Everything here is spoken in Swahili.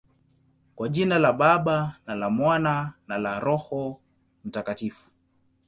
Kwa jina la Baba, na la Mwana, na la Roho Mtakatifu.